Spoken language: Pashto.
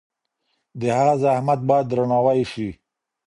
د هغه زحمت باید درناوی شي.